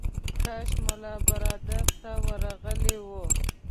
کاش ملا برادر ته ورغلی و.